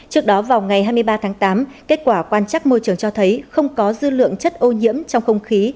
trước đó vào ngày hai mươi ba tháng tám kết quả quan trắc môi trường cho thấy không có dư lượng chất ô nhiễm trong không khí